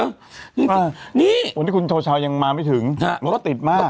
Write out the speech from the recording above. วันนี้คุณโทชาวยังมาไม่ถึงก็ติดมาก